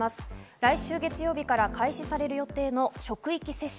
来週月曜日から開始される予定の職域接種。